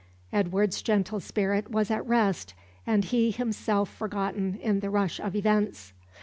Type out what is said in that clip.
Edward's gentle spirit was at rest, and he himself forgotten in the rush of events.